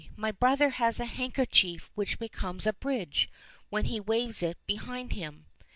My brother has a handker chief which becomes a bridge when he waves it behind him."